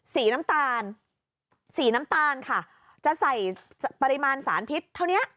สีน้ำตาลสีน้ำตาลค่ะจะใส่ปริมาณสารพิษเท่านี้